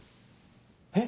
えっ？